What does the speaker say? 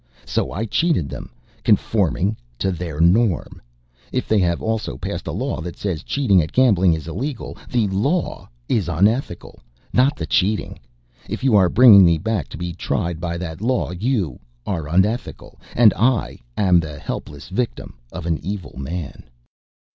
So I cheated them, conforming to their norm. If they have also passed a law that says cheating at gambling is illegal, the law is unethical, not the cheating. If you are bringing me back to be tried by that law you are unethical, and I am the helpless victim of an evil man."